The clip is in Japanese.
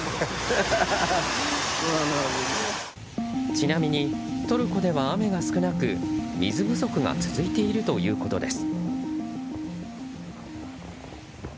ちなみにトルコでは雨が少なく水不足が続いているということです。